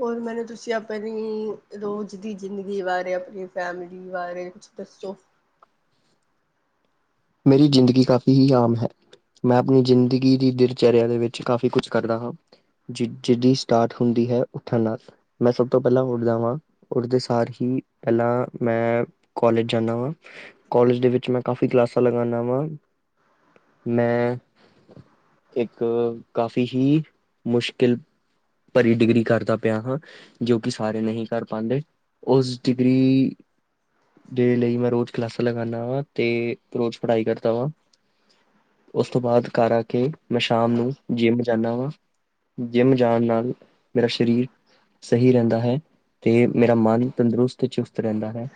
ਹੋਰ ਮੈਨੂੰ ਤੁਸੀਂ ਆਪ ਪ [unintelligible] ਰੋਜ਼ ਦੀ ਜ਼ਿੰਦਗੀ ਬਾਰੇ ਆਪਣੀ ਫੈਮਿਲੀ ਬਾਰੇ ਕੁਛ ਦੱਸੋ? ਮੇਰੀ ਜ਼ਿੰਦਗੀ ਕਾਫ਼ੀ ਹੀ ਆਮ ਹੈ, ਮੈਂ ਆਪਣੀ ਜ਼ਿੰਦਗੀ ਦੀ ਦਿਨਚਰਿਆ ਦੇ ਵਿੱਚ ਕਾਫ਼ੀ ਕੁਛ ਕਰਦਾ ਹਾਂ।। ਜਿਹਦੀ ਸਟਾਰਟ ਹੁੰਦੀ ਹੈ ਉੱਠਣ ਨਾਲ ਮੈਂ ਸਭ ਤੋਂ ਪਹਿਲਾਂ ਉੱਠਦਾ। ਵਾਂ ਉੱਠਦੇ ਸਾਰ ਹੀ ਪਹਿਲਾਂ ਮੈਂ ਕੋਲੇਜ ਜਾਂਦਾ ਵਾਂ, ਕੋਲੇਜ ਦੇ ਵਿੱਚ ਮੈਂ ਕਾਫੀ ਕਲਾਸ ਲਗਾਉਦਾ ਵਾਂ ਮੈਂ ਇੱਕ ਕਾਫ਼ੀ ਹੀ ਮੁਸ਼ਕਿਲ ਭਰੀ ਡਿਗਰੀ ਕਰਦਾ ਪਿਆ ਹਾਂ ਜੋ ਕਿ ਸਾਰੇ ਨਹੀਂ ਕਰ ਪਾਉਂਦੇ ਉਸ ਡਿਗਰੀ ਦੇ ਲਈ ਮੈਂ ਰੋਜ਼ ਕਲਾਸਾਂ ਲਗਾਉਦਾ ਵਾਂ ਤੇ ਰੋਜ਼ ਪੜ੍ਹਾਈ ਕਰਦਾ ਵਾਂ ਉਸ ਤੋਂ ਬਾਅਦ ਘਰ ਆ ਕੇ ਮੈਂ ਸ਼ਾਮ ਨੂੰ ਜਿੰਮ ਜਾਂਦਾ ਵਾਂ ਜਿੰਮ ਜਾਣ ਨਾਲ ਮੇਰਾ ਸਰੀਰ ਸਹੀ ਰਹਿੰਦਾ ਹੈ ਤੇ ਮੇਰਾ ਮਨ ਤੰਦਰੁਸਤ ਤੇ ਚੁਸਤ ਰਹਿੰਦਾ ਹੈ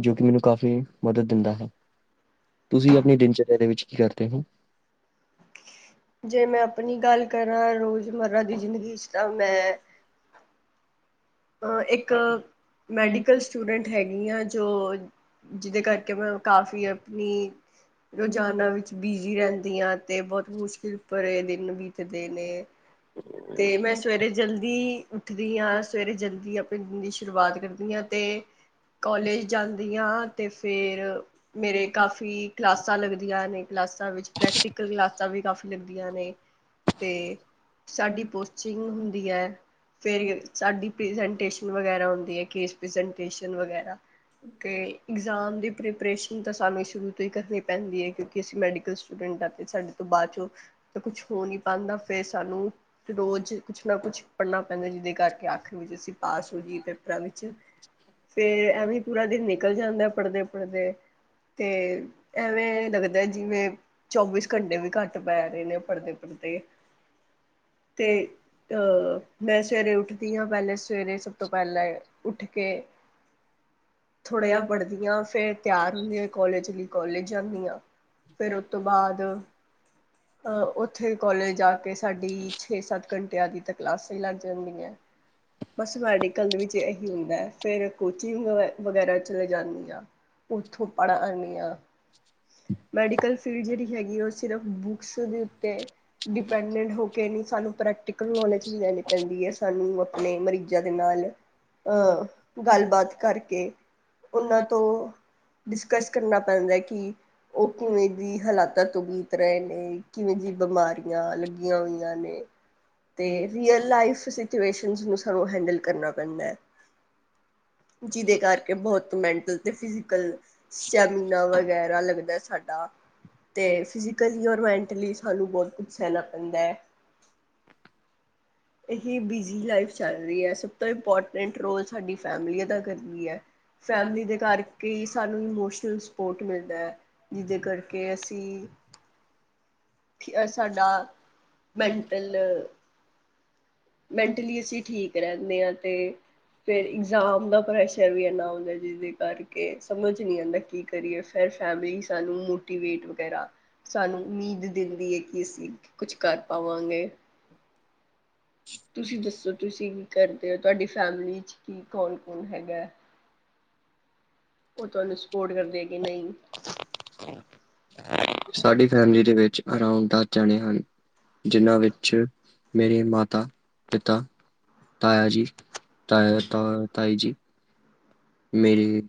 ਜੋ ਕਿ ਮੈਨੂੰ ਕਾਫ਼ੀ ਮਦਦ ਦਿੰਦਾ ਹੈ ਤੁਸੀਂ ਆਪਣੀ ਦਿਨ ਚੜੀਆ ਦੇ ਵਿੱਚ ਕੀ ਕਰਦੇ ਹੋ ਜੇ ਮੈਂ ਆਪਣੀ ਗੱਲ ਕਰਾਂ ਰੋਜ਼ ਮਤਲਬ [unintelligible] [unintelligible] ਮੈਂ ਹਾਂ ਇੱਕ ਮੈਡੀਕਲ ਸਟੂਡੈਂਟ ਹੈਗੀ ਆ ਜੋ [inaudible] ਜਿਹਦੇ ਕਰਕੇ ਮੈਂ ਕਾਫ਼ੀ ਆਪਣੀ ਰੋਜ਼ਾਨਾ ਵਿੱਚ ਬਿਜੀ ਰਹਿੰਦੀ ਹਾਂ ਤੇ ਬਹੁਤ ਮੁਸ਼ਕਿਲ ਪਰਰੇ ਦਿਨ ਬੀਤਦੇ ਨੇ ਤੇ ਮੈਂ ਸਵੇਰੇ ਜਲਦੀ ਅਤੇ ਉੱਠਦੀ ਹਾਂ [unintelligible] ਆਪ [unintelligible] ਦੀ ਸ਼ੁਰੂਆਤ ਕਰਦੀ ਹਾਂ ਤੇ ਕੋਲੇਜ ਜਾਂਦੀ ਹਾਂ ਤੇ ਫੇਿਰ ਮੇਰੇ ਕਾਫੀ ਕਲਾਸਾਂ ਲੱਗਦੀਆਂ ਨੇ ਕਲਾਸਾਂ ਵਿੱਚ ਪ੍ਰੈਕਟੀਕਲ ਕਲਾਸਾਂ ਵੀ ਕਾਫੀ ਲੱਗਦੀਆਂ ਨੇ ਤੇ ਸਾਡੀ ਪਚਿੰਗ ਹੁੰਦੀ ਹੈ ਫੇਰ ਸਾਡੀ ਪ੍ਰਜੈਂਟੇਸ਼ਨ ਵਗੈਰਾ ਹੁੰਦੀ ਕਿ ਵਗੈਰਾ ਤੇ ਇਗਜ਼ਾਮ ਦੀ ਪ੍ਰੈਪਰੇਸ਼ਨ ਤਾਂ ਸਾਨੂੰ ਸ਼ੁਰੂ ਤੋਂ ਹੀ ਕਰਨੀ ਪੈਂਦੀ ਹੈ ਕਿਉਂਕਿ ਅਸੀਂ ਮੈਡੀਕਲ ਸਟੂਡੈਂਟ ਹਾਂ ਤੇ ਸਾਡੇ ਤੋਂ ਬਾਅਦ ਚੋਂ ਤਾਂ ਕੁਛ ਹੋ ਨਹੀਂ ਪਾਉਂਦਾ ਫਿਰ ਸਾਨੂੰ ਰੋਜ਼ ਕੁਛ ਨਾ ਕੁਛ ਪੜ੍ਹਨਾ ਪੈਂਦਾ ਜਿਹਦੇ ਕਰਕੇ [unintelligible] ਪਾਸ ਹੋ ਗਈ ਪੇਪਰਾਂ ਵਿੱਚ ਫੇਰ ਐਵੇਂ ਪੂਰਾ ਦਿਨ ਨਿਕਲ ਜਾਂਦਾ ਪੜ੍ਹਦੇ ਪੜ੍ਹਦੇ ਤੇ ਐਵੇਂ ਲੱਗਦਾ ਜਿਵੇਂ ਚੌਵੀਸ ਘੰਟੇ ਵੀ ਘੱਟ ਪੈ ਰਹੇ ਨੇ ਪਰਦੇ ਪਰਦੇ ਤੇ ਤੇ ਅ ਮੈਂ ਸਵੇਰੇ ਉੱਠ ਦੀ ਹ ਪਹਿਲੇ ਸਵੇਰੇ ਸਭ ਤੋਂ ਪਹਿਲਾਂ ਉੱਠ ਕੇ ਥੋੜ੍ਹੇ ਪੜ੍ਹਦੀਆਂ ਫੇਿਰ ਤਿਆਰ ਹੁੰਦੀਆਂ ਕੋਲੇਜ ਲਈ ਕੋਲੇਜ ਜਾਂਦੀਆਂ ਫੇਿਰ ਉਸ ਤੋਂੋਂ ਬਾਅਦ ਅਹ ਉੱਥੇ ਕੋਲੇਜ ਆ ਕੇ ਸਾਡੀ ਛੇ ਸੱਤ ਘੰਟਿਆਂ ਦੀ ਤਾਂ ਕਲਾਸਾਂ ਹੀ ਲੱਗਦੀ [unintelligible] ਬਸ ਮੈਡੀਕਲ ਵਿੱਚ ਇਹੀ ਹੁੰਦਾ ਹੈ ਫੇਿਰ ਕੋਚਿੰਗ ਵਗੈਰਾ ਚਲੇ ਜਾਂਦੀ ਹਾਂ ਓਥੋਂ ਪੜ ਆਨੀ ਆ। ਮੈਡੀਕਲ ਫੀਲਡ ਜਿਹੜੀ ਹੈਗੀ ਉਹ ਬੁਕਸ ਦੇ ਉੱਤੇ ਡਿਪੈਨਡਟ ਹੋ ਕੇ ਨੀ ਸਾਨੂੰ ਪ੍ਰੈਕਟੀਕਲ ਨੋਲੇਜ ਵੀ ਲੈਣੀ ਪੈਂਦੀ ਹੈ ਸਾਨੂੰ ਨੇ ਮਰੀਜ਼ਾਂ ਦੇ ਨਾਲ ਅ ਗੱਲਬਾਤ ਕਰਕੇ ਉਹਨਾਂ ਤੋਂ ਡਿਸਕਸ ਕਰਨਾ ਪੈਂਦਾ ਹੈ ਕਿ ਉਹ ਕਿਵੇਂ ਦੀ ਹਾਲਾਤ ਤੋਂ ਬੀਤ ਰਹੇ ਨੇ ਕਿਵੇਂ ਜਿਹੀ ਬਿਮਾਰੀਆਂ ਲੱਗੀਆਂ ਹੋਈਆਂ ਨੇ ਤੇ ਰੀਅਲ ਲਾਈਫ [unintelligible] ਨੂੰ ਉਸਨੂੰ ਸਾਨੂੰ ਹੈਂਡਲ ਕਰਨਾ ਪੈਂਦਾ ਹੈ ਜਿਹਦੇ ਕਰਕੇ ਬਹੁਤ ਮੈਂਟਲ ਤੇ ਫਿਜ਼ਕਲ ਸਟੈਮੀਨਾ ਵਗੈਰਾ ਲੱਗਦਾ ਸਾਡਾ ਨਾ ਤੇ ਫਿਜ਼ੀਕਲੀ ਔਰ ਮੈਂਟਲੀ ਸਾਨੂੰ ਬਹੁਤ ਕੁਝ ਸਹਿਣਾ ਪੈਂਦਾ ਹੈ। ਇਹ ਬਿਜ਼ੀ ਲਾਈਫ ਚੱਲ ਰਹੀ ਹੈ ਸਭ ਤੋਂ ਇੰਪੋਰਟੈਂਟ ਰੋਲ ਸਾਡੀ ਫੈਮਲੀ ਅਦਾ ਕਰਦੀ ਹੈ ਫੈਮਲੀ ਦੇ ਘਰ ਕਿ ਸਾਨੂੰ ਇਮੋਸ਼ਨਲ ਸਪੋਰਟ ਮਿਲਦਾ ਹੈ ਜਿਹਦੇ ਕਰਕੇ ਅਸੀਂ ਸਾਡਾ ਮੈਂਟਲ ਮੈਂਟਲੀ ਅਸੀਂ ਠੀਕ ਰਹਿੰਦੇ ਹਾਂ ਤੇ ਫਿਰ ਇਗਜ਼ਾਮ ਦਾ ਪ੍ਰੈਸ਼ਰ ਵੀ ਇਨਾ ਹੁੰਦਾ ਜਿਦੇ [unintelligible] ਕੇ ਸਮਝ ਨੀ ਆਉਂਦਾ ਕੀ ਕਰੀਏ ਫੇਰ ਫੈਮਿਲੀ ਸਾਨੂੰ ਦੀਬੇਟ ਵਗੈਰਾ ਸਾਨੂੰ ਉਮੀਦ ਦਿੰਦੀ ਹੈ [unintelligible] ਕੁਛ ਕਰ ਪਾਵਾਂਗੇ ਤੁਸੀਂ ਦੱਸੋ ਤੁਸੀਂ ਕੀ ਕਰਦੇ ਹੋ ਤੁਹਾਡੀ ਫੈਮਲੀ ਚ ਕੀ ਕੌਣ ਕੌਣ ਹੈਗਾ ਉਹ ਤੁਹਾਨੂੰ ਸਪੋਰਟ ਕਰਦੇ ਹੈ ਕਿ ਨਹੀਂ ਅਰਾਉਡ ਦਸ ਜਾਣੇ ਹਾਂ ਜੀ ਜਿਨ੍ਹਾਂ ਵਿੱਚ ਮੇਰੇ ਮਾਤਾ ਪਿਤਾ ਤਾਇਆ ਜੀ ਤਾਇ ਤ ਤਾਈ ਜੀ ਮੇਰੇ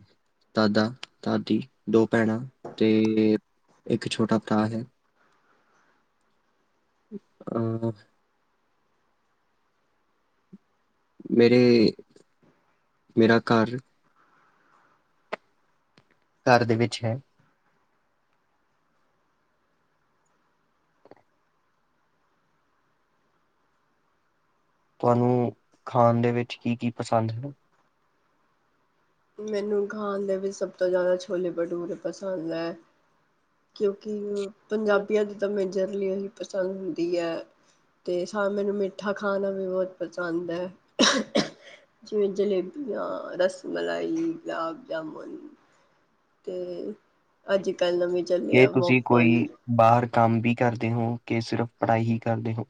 ਦਾਦਾ ਦਾਦੀ ਦੋ ਭੈਣਾਂ ਤੇ ਇੱਕ ਛੋਟਾ ਭਰਾ ਹੈ ਆਹ ਮੇਰੇ ਮੇਰਾ ਘਰ ਘਰ ਦੇ ਵਿੱਚ ਹੈ ਤੁਹਾਨੂੰ ਖਾਣ ਦੇ ਵਿੱਚ ਕੀ ਕੀ ਪਸੰਦ ਹੈ? ਮੈਨੂੰ ਖਾਣ ਦੇ ਵਿੱਚ ਸਭ ਤੋਂ ਜ਼ਿਆਦਾ ਛੋਲੇ ਭਟਰੇ ਪਸੰਦ ਹੈ। ਕਿਉਂਕਿ ਪੰਜਾਬੀਆਂ ਦੀ ਤਾਂ ਮੈਨੂੰ ਜਰਲੀਅਨ ਹੀ ਪਸੰਦ ਹੁੰਦੀ ਹੈ ਤੇ [unintelligible] ਮੈਨੂੰ ਮੇ ਮਿੱਠਾ ਖਾਣਾ ਵੀ ਬਹੁਤ ਪਸੰਦ ਹੈ ਜਿਵੇਂ ਜਲੇਬੀਆਂ ਰਸਮ ਮਲਾਈ, ਗੁਲਾਬ ਜਾਮੁਨ ਤੇ ਅੱਜ ਕੱਲ੍ਹ ਨਵੇਂ ਚੱਲੇ ਕਿ ਆ ਤੁਸੀਂ ਬਫਲ ਕੋਈ ਬਾਹਰ ਕੰਮ ਵੀ ਕਰਦੇ ਹੋ ਕਿ ਸਿਰਫ ਪੜ੍ਹਾਈ ਹੀ ਕਰਦੇ ਹੋ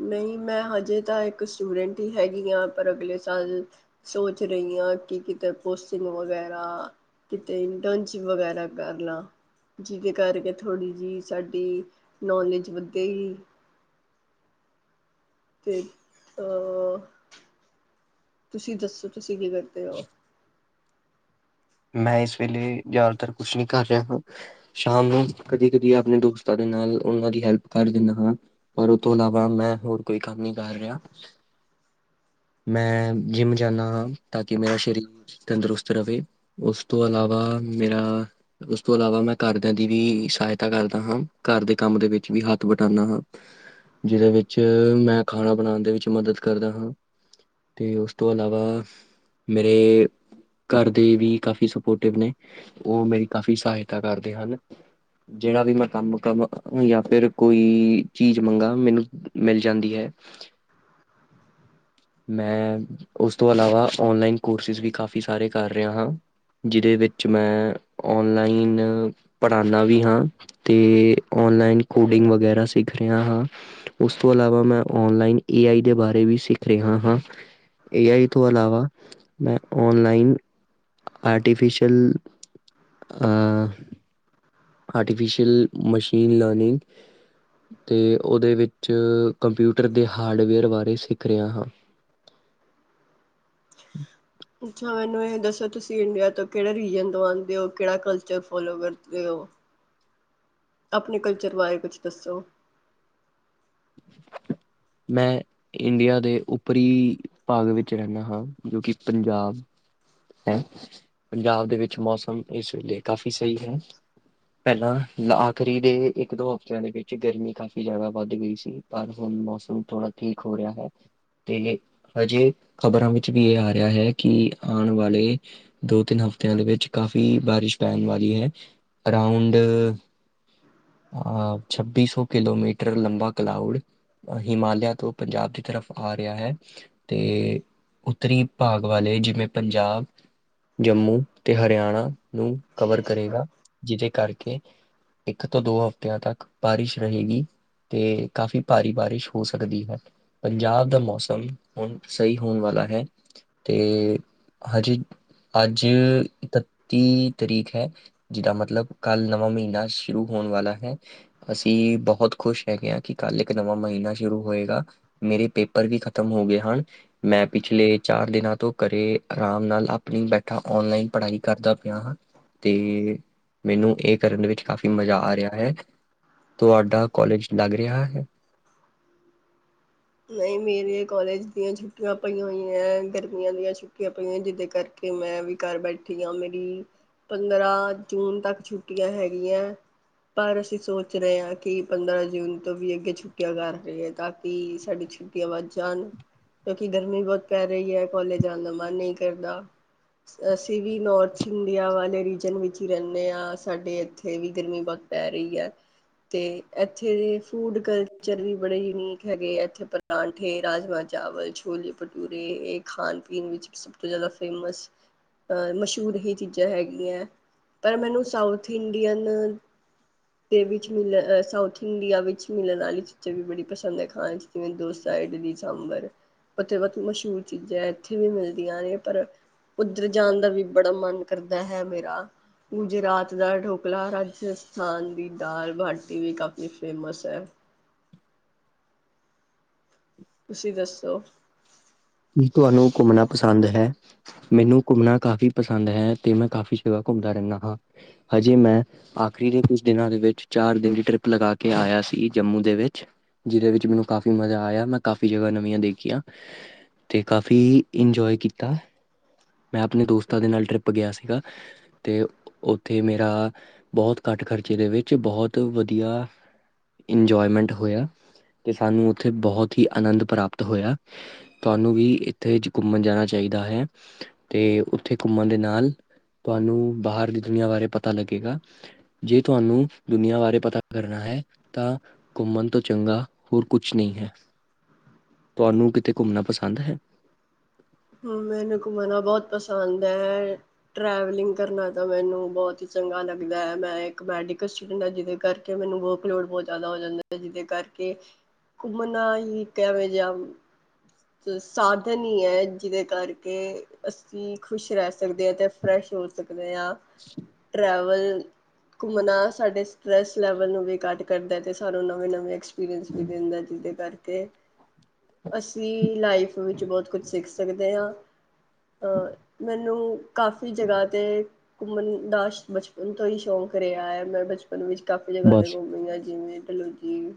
ਨਹੀਂ ਮੈਂ ਹਜੇ ਤਾਂ ਇੱਕ ਸਟੂਡੈਂਟ ਹੀ ਹੈਗੀ ਹਾਂ, ਪਰ ਅਗਲੇ ਸਾਲ ਸੋਚ ਰਹੀ ਹਾਂ ਕਿ ਕਿਤੇ ਪੋਸਟਿੰਗ ਵਗੈਰਾ, ਕਿਤੇ ਇੰਟਰਨਸ਼ਿਪ ਵਗੈਰਾ ਕਰ ਲਾ ਜਿਹਦੇ ਕਰਕੇ ਥੋੜ੍ਹੀ ਜਿਹੀ ਸਾਡੀ ਨੌਲੇਜ ਵਧੇਗੀ। ਤੇ ਤੁਸੀਂ ਦੱਸੋ ਤੁਸੀਂ ਕੀ ਕਰਦੇ ਹੋ? ਮੈਂ ਇਸ ਵੇਲੇ ਜ਼ਿਆਦਾਤਰ ਕੁਛ ਨਹੀਂ ਕਰ ਰਿਹਾ ਹਾਂ, ਸ਼ਾਮ ਨੂੰ ਕਦੀ ਕਦੀ ਆਪਣੇ ਦੋਸਤਾਂ ਦੇ ਨਾਲ ਉਹਨਾਂ ਦੀ ਹੈਲਪ ਕਰ ਦਿੰਦਾ ਹਾਂ, ਪਰ ਉਹ ਤੋਂ ਇਲਾਵਾ ਮੈਂ ਹੋਰ ਕੋਈ ਕੰਮ ਨਹੀਂ ਕਰ ਰਿਹਾ, ਮੈਂ ਜਿੰਮ ਜਾਂਦਾ ਹਾਂ ਤਾਂ ਕਿ ਮੇਰਾ ਸਰੀਰ ਤੰਦਰੁਸਤ ਰਹੇ। ਉਸ ਤੋਂ ਇਲਾਵਾ ਮੇਰਾ ਉਸ ਤੋਂ ਇਲਾਵਾ ਮੈਂ ਘਰਦਿਆਂ ਦੀ ਵੀ ਸਹਾਇਤਾ ਕਰਦਾ ਹਾਂ, ਘਰ ਦੇ ਕੰਮ ਦੇ ਵਿੱਚ ਵੀ ਹੱਥ ਬਟਾਉਂਦਾ ਹਾਂ, ਜਿਹਦੇ ਵਿੱਚ ਮੈਂ ਖਾਣਾ ਬਣਾਉਣ ਦੇ ਵਿੱਚ ਮਦਦ ਕਰਦਾ ਹਾਂ, ਅਤੇ ਉਸ ਤੋਂ ਇਲਾਵਾ ਮੇਰੇ ਘਰ ਦੇ ਵੀ ਕਾਫੀ ਸਪੋਰਟਿਵ ਨੇ ਉਹ ਮੇਰੀ ਕਾਫੀ ਸਹਾਇਤਾ ਕਰਦੇ ਹਨ ਜਿਹੜਾ ਵੀ ਮੈਂ ਕੰਮ-ਕੰਮ ਜਾਂ ਫਿਰ ਕੋਈ ਚੀਜ਼ ਮੰਗਾਂ ਮੈਨੂੰ ਮਿਲ ਜਾਂਦੀ ਹੈ, ਮੈਂ ਉਸ ਤੋਂ ਇਲਾਵਾ ਓਨਲਾਈਨ ਕੋਰਸਿਸ ਵੀ ਕਾਫੀ ਸਾਰੇ ਕਰ ਰਿਹਾ ਹਾਂ। ਜਿਹਦੇ ਵਿੱਚ ਮੈਂ ਔਨਲਾਈਨ ਪੜ੍ਹਾਉਦਾ ਵੀ ਹਾਂ, ਅਤੇ ਔਨਲਾਈਨ ਕੋਡਿੰਗ ਵਗੈਰਾ ਸਿੱਖ ਰਿਹਾ ਹਾਂ, ਉਸ ਤੋਂ ਇਲਾਵਾ ਮੈਂ ਔਨਲਾਈਨ ਏ ਆਈ ਦੇ ਬਾਰੇ ਵੀ ਸਿੱਖ ਰਿਹਾ ਹਾਂ ਏ ਆਈ ਤੋਂ ਇਲਾਵਾ ਮੈਂ ਔਨਲਾਈਨ ਆਰਟੀਫਿਸ਼ਲ ਅ ਆਰਟੀਫਿਸ਼ੀਅਲ ਮਸ਼ੀਨ ਲਰਨਿੰਗ ਅਤੇ ਉਹਦੇ ਵਿੱਚ ਕੰਪਿਊਟਰ ਦੇ ਹਾਰਡਵੇਅਰ ਬਾਰੇ ਸਿੱਖ ਰਿਹਾ ਹਾਂ। ਅੱਛਾ ਮੈਨੂੰ ਇਹ ਦੱਸੋ ਤੁਸੀਂ ਇੰਡੀਆ ਤੋਂ ਕਿਹੜੇ ਰੀਜ਼ਨ ਤੋਂ ਆਉਂਦੇ ਹੋ? ਕਿਹੜਾ ਕਲਚਰ ਫੋਲੋ ਕਰਦੇ ਹੋ ਆਪਣੇ ਕਲਚਰ ਬਾਰੇ ਕੁਛ ਦੱਸੋ? ਮੈਂ ਇੰਡੀਆ ਦੇ ਉੱਪਰੀ ਭਾਗ ਵਿੱਚ ਰਹਿੰਦਾ ਹਾਂ ਜੋ ਕਿ ਪੰਜਾਬ ਹੈ। ਪੰਜਾਬ ਦੇ ਵਿੱਚ ਮੌਸਮ ਇਸ ਵੇਲੇ ਕਾਫ਼ੀ ਸਹੀ ਹੈ, ਪਹਿਲਾਂ ਆਖਰੀ ਦੇ ਇੱਕ ਦੋ ਹਫ਼ਤਿਆਂ ਦੇ ਵਿੱਚ ਗਰਮੀ ਕਾਫ਼ੀ ਜ਼ਿਆਦਾ ਵੱਧ ਗਈ ਸੀ ਪਰ ਹੁਣ ਮੌਸਮ ਥੋੜਾ ਠੀਕ ਹੋ ਰਿਹਾ ਹੈ ਤੇ ਹਜੇ ਖ਼ਬਰਾਂ ਵਿੱਚ ਵੀ ਇਹ ਆ ਰਿਹਾ ਹੈ ਕਿ ਆਉਣ ਵਾਲੇ ਦੋ ਤਿੰਨ ਹਫ਼ਤਿਆਂ ਦੇ ਵਿੱਚ ਕਾਫ਼ੀ ਬਾਰਿਸ਼ ਪੈਣ ਵਾਲੀ ਹੈ ਅਰਾਊਂਡ ਅਹ ਛੱਬੀ ਸੌ ਕਿਲੋਮੀਟਰ ਲੰਬਾ ਕਲਾਊਡ ਹਿਮਾਲਿਆ ਤੋਂ ਪੰਜਾਬ ਦੀ ਤਰਫ ਆ ਰਿਹਾ ਹੈ, ਤੇ ਉੱਤਰੀ ਭਾਗ ਵਾਲੇ ਜਿਵੇਂ ਪੰਜਾਬ ਜੰਮੂ ਤੇ ਹਰਿਆਣਾ ਨੂੰ ਕਵਰ ਕਰੇਗਾ, ਜਿਹਦੇ ਕਰਕੇ ਇੱਕ ਤੋਂ ਦੋ ਹਫਤਿਆਂ ਤੱਕ ਬਾਰਿਸ਼ ਰਹੇਗੀ ਤੇ ਕਾਫ਼ੀ ਭਾਰੀ ਬਾਰਿਸ਼ ਹੋ ਸਕਦੀ ਹੈ, ਪੰਜਾਬ ਦਾ ਮੌਸਮ ਹੁਣ ਸਹੀ ਹੋਣ ਵਾਲਾ ਹੈ ਤੇ ਹਜੇ ਅੱਜ ਇਕੱਤੀ ਤਰੀਕ ਹੈ ਜਿਹਦਾ ਮਤਲਬ ਕੱਲ ਨਵਾਂ ਮਹੀਨਾ ਸ਼ੁਰੂ ਹੋਣ ਵਾਲਾ ਹੈ, ਅਸੀਂ ਬਹੁਤ ਖੁਸ਼ ਹੈਗੇ ਹਾਂ ਕਿ ਕੱਲ੍ਹ ਇੱਕ ਨਵਾਂ ਮਹੀਨਾ ਸ਼ੁਰੂ ਹੋਏਗਾ ਮੇਰੇ ਪੇਪਰ ਵੀ ਖਤਮ ਹੋ ਗਏ ਹਨ। ਮੈਂ ਪਿਛਲੇ ਚਾਰ ਦਿਨਾਂ ਤੋਂ ਘਰੇ ਆਰਾਮ ਨਾਲ ਆਪਣੀ ਬੈਠਾ ਓਨਲਾਈਨ ਪੜ੍ਹਾਈ ਕਰਦਾ ਪਿਆ ਹਾਂ, ਤੇ ਮੈਨੂੰ ਇਹ ਕਰਨ ਵਿੱਚ ਕਾਫ਼ੀ ਮਜ਼ਾ ਆ ਰਿਹਾ ਹੈ। ਤੁਹਾਡਾ ਕਾਲਜ ਲੱਗ ਰਿਹਾ ਹੈ? ਨਹੀਂ ਮੇਰੀ ਕਾਲਜ ਦੀਆਂ ਛੁੱਟੀਆਂ ਛੁੱਟੀਆਂ ਪਈਆਂ ਹੋਈ ਹੈ ਗਰਮੀਆਂ ਦੀਆਂ ਛੁੱਟੀਆਂ ਪਈਆਂ ਹੋ ਜਿਹਦੇ ਕਰਕੇ ਮੈਂ ਵੀ ਘਰ ਬੈਠੀ ਹਾਂ ਮੇਰੀ ਪੰਦਰਾਂ ਜੂਨ ਤੱਕ ਛੁੱਟੀਆਂ ਹੈਗੀਆਂ ਪਰ ਅਸੀਂ ਸੋਚ ਰਹੇ ਹਾਂ ਕਿ ਪੰਦਰਾਂ ਜੂਨ ਤੋਂ ਵੀ ਅੱਗੇ ਛੁੱਟੀਆਂ ਕਰ ਰਹੇ ਹੈ ਤਾਂ ਕਿ ਸਾਡੀ ਛੁੱਟੀਆਂ ਵੱਧ ਜਾਣ ਕਿਉਂਕਿ ਗਰਮੀ ਬਹੁਤ ਪੈ ਰਹੀ ਹੈ ਕਾਲਜ ਜਾਣ ਦਾ ਮਨ ਨਹੀਂ ਕਰਦਾ ਅਸੀਂ ਵੀ ਨੋੌਰਥ ਇੰਡੀਆ ਵਾਲੇ ਰੀਜਨ ਵਿੱਚ ਹੀ ਰਹਿੰਦੇ ਹਾਂ ਸਾਡੇ ਇੱਥੇ ਵੀ ਗਰਮੀ ਬਹੁਤ ਪੈ ਰਹੀ ਹੈ ਤੇ ਇੱਥੇ ਦੇ ਫੂਡ ਕਲਚਰ ਵੀ ਬੜੇ ਯੂਨੀਕ ਹੈਗੇ ਉੱਥੇ ਪਰਾਂਠੇ, ਰਾਜਮਾਂ ਚਾਵਲ, ਛੋਲੇ ਭਟੂਰੇ ਇਹ ਖਾਣ ਪੀਣ ਵਿੱਚ ਸਭ ਤੋਂ ਜ਼ਿਆਦਾ ਫੇਮਸ ਅ ਮਸ਼ਹੂਰ ਇਹ ਚੀਜ਼ਾਂ ਹੈਗੀਆਂ। ਪਰ ਮੈਨੂੰ ਸਾਊਥ ਇੰਡੀਅਨ ਹ [unintelligible] ਦੇ ਵਿੱਚ ਮਿਲ ਸਾਊਥ ਇੰਡੀਆ ਵਿੱਚ ਮਿਲਣ ਵਾਲੀਆਂ ਚੀਜ਼ਾਂ ਵੀ ਬੜੀ ਪਸੰਦ ਹੈ ਖਾਣ ਚ ਜਿਵੇਂ ਦੋ ਸਾਈਡ ਦੀ ਸਾਂਭਰ ਬ ਬਹੁਤ ਮਸ਼ਹੂਰ ਚੀਜ਼ਾਂ ਉੱਥੇ ਵੀ ਮਿਲਦੀਆਂ ਨੇ, ਪਰ ਉੱਧਰ ਜਾਣ ਦਾ ਵੀ ਬੜਾ ਮਨ ਕਰਦਾ ਹੈ ਮੇਰਾ। ਚ [inaudible] ਗੁਜਰਾਤ ਦਾ ਢੋਕਲਾ, ਰਾਜ ਰਾਜਸਥਾਨ ਦੀ ਦਾਲ -ਬਾਟੀ ਵੀ ਕਾਫ਼ੀ ਫੇਮਸ ਹੈ। ਤੁਸੀਂ ਦੱਸੋ? ਕੀ ਤੁਹਾਨੂੰ ਘੁੰਮਣਾ ਪਸੰਦ ਹੈ? ਮੈਨੂੰ ਘੁੰਮਣਾ ਕਾਫ਼ੀ ਪਸੰਦ ਹੈ। ਤੇ ਮੈਂ ਕਾਫ਼ੀ ਜਗ੍ਹਾ ਘੁੰਮਦਾ ਰਹਿੰਦਾ ਹਾਂ, ਹਜੇ ਮੈਂ ਆਖਰੀ ਦੇ ਕੁਝ ਦਿਨਾਂ ਦੇ ਵਿੱਚ ਚਾਰ ਦਿਨ ਦੀ ਟ੍ਰਿਪ ਲਗਾ ਕੇ ਆਇਆ ਸੀ ਜੰਮੂ ਦੇ ਵਿੱਚ ਜਿਹਦੇ ਵਿੱਚ ਮੈਨੂੰ ਕਾਫ਼ੀ ਮਜ਼ਾ ਆਇਆ ਮੈਂ ਕਾਫ਼ੀ ਜਗ੍ਹਾ ਨਵੀਆਂ ਦੇਖੀਆਂ ਅਤੇ ਕਾਫ਼ੀ ਇੰਜੋਏ ਕੀਤਾ ਮੈਂ ਆਪਣੇ ਦੋਸਤਾਂ ਦੇ ਨਾਲ ਟਰਿਪ ਗਿਆ ਸੀਗਾ ਅਤੇ ਉੱਥੇ ਮੇਰਾ ਬਹੁਤ ਘੱਟ ਖਰਚੇ ਦੇ ਵਿੱਚ ਬਹੁਤ ਵਧੀਆ ਇੰਜੋਏਮੈਂਟ ਹੋਇਆ, ਅਤੇ ਸਾਨੂੰ ਉੱਥੇ ਬਹੁਤ ਹੀ ਆਨੰਦ ਪ੍ਰਾਪਤ ਹੋਇਆ। ਤੁਹਾਨੂੰ ਵੀ ਇੱਥੇ ਘੁੰਮਣ ਜਾਣਾ ਚਾਹੀਦਾ ਹੈ ਤੇ ਉੱਥੇ ਘੁੰਮਣ ਦੇ ਨਾਲ ਤੁਹਾਨੂੰ ਬਾਹਰ ਦੀ ਦੁਨੀਆਂ ਬਾਰੇ ਪਤਾ ਲੱਗੇਗਾ ਜੇ ਤੁਹਾਨੂੰ ਦੁਨੀਆਂ ਬਾਰੇ ਪਤਾ ਕਰਨਾ ਹੈ ਤਾਂ ਘੁੰਮਣ ਤੋਂ ਚੰਗਾ ਹੋਰ ਕੁਛ ਨਹੀਂ ਹੈ, ਤੁਹਾਨੂੰ ਕਿਤੇ ਘੁੰਮਣਾ ਪਸੰਦ ਹੈ? ਹਾਂ ਮੈਨੂੰ ਘੁੰਮਣਾ ਬਹੁਤ ਪਸੰਦ ਹੈ, ਟਰੈਵਲਿੰਗ ਕਰਨਾ ਤਾਂ ਮੈਨੂੰ ਬਹੁਤ ਹੀ ਚੰਗਾ ਲੱਗਦਾ ਹੈ, ਮੈਂ ਇੱਕ ਮੈਡੀਕਲ ਸਟੂਡੈਂਟ ਹਾਂ ਜਿਹਦੇ ਕਰਕੇ ਮੈਨੂੰ ਵਰਕਲੋਡ ਬਹੁਤ ਜ਼ਿਆਦਾ ਹੋ ਜਾਂਦਾ ਹੈ, ਜਿਹਦੇ ਕਰਕੇ ਘੁੰਮਣਾ ਹੀ ਇਕ ਐਵੇਂ ਜਿਹਾ ਸਾਧਨ ਹੀ ਹੈ ਜਿਹਦੇ ਕਰਕੇ ਅਸੀਂ ਖੁਸ਼ ਰਹਿ ਸਕਦੇ ਹਾਂ, ਤੇ ਫਰੈਸ਼ ਹੋ ਸਕ ਟਰੈਵਲ ਘੁੰਮਣਾ ਸਾਡੇ ਸਟਰੈਸ ਲੈਵਲ ਨੂੰ ਵੀ ਘੱਟ ਕਰਦਾ ਅਤੇ ਸਾਨੂੰ ਨਵੇਂ- ਨਵੇਂ ਐਕਸਪੀਰੀਅੰਸ ਵੀ ਦਿੰਦਾ ਜਿਹਦੇ ਕਰਕੇ ਤੇ ਅਸੀਂ ਲਾਈਫ ਵਿੱਚ ਬਹੁਤ ਕੁਛ ਸਿੱਖ ਦੇ ਹਾ ਅਹ ਮੈਨੂੰ ਮੈਨੂੰ ਕਾਫ਼ੀ ਜਗ੍ਹਾ ਤੇ ਘੁੰਮਣ ਦਾ ਬਚਪਨ ਤੋਂ ਹੀ ਸ਼ੌਂਕ ਰਿਹਾ ਹੈ ਮੈਂ ਬਚਪਨ ਵਿੱਚ ਕਾਫੀ ਜਗ੍ਹਾ ਬਸ ਤੇ ਘੁੰਮਣੀ ਆ ਜਿਵੇਂ ਹੈਲੌ ਜੀ